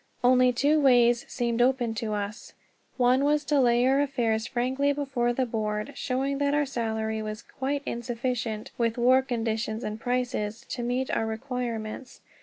Only two ways seemed open to us. One was to lay our affairs frankly before the Board, showing that our salary was quite insufficient, with war conditions and prices, to meet our requirements.